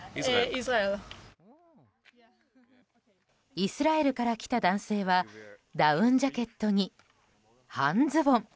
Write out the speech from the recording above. イスラエルから来た男性はダウンジャケットに、半ズボン。